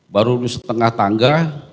baru di setengah tangga